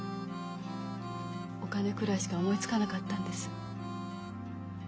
お金くらいしか思いつかなかったんです。